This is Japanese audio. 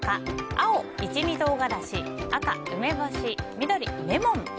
青、一味唐辛子赤、梅干し緑、レモン。